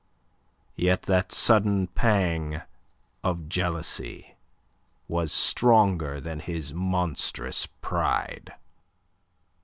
Yet that sudden pang of jealousy was stronger than his monstrous pride.